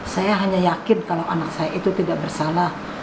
saya hanya yakin kalau anak saya itu tidak bersalah